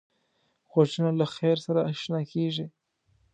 غوږونه له خیر سره اشنا کېږي